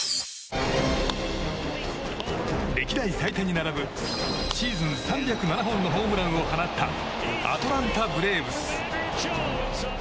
歴代最多に並ぶシーズン３０７本のホームランを放ったアトランタ・ブレーブス。